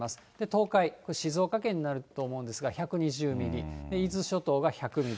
東海、静岡県になると思うんですが、１２０ミリ、伊豆諸島が１００ミリ。